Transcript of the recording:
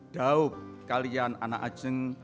daub kalian anak ajeng